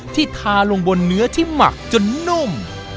ที่ทาลงบนเนื้อที่หมักจนนุ่ม